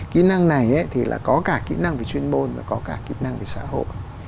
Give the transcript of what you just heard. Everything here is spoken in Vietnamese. kỹ năng này thì là có cả kỹ năng về chuyên môn và có cả kỹ năng về xã hội